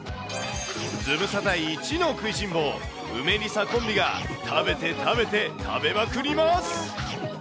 ズムサタいちの食いしん坊、梅リサコンビが食べて食べて、食べまくります。